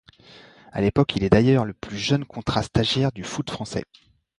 À l’époque, il est d’ailleurs le plus jeune contrat stagiaire du foot français.